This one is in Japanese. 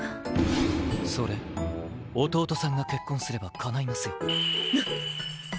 それ弟さんが結婚すればかないますよ。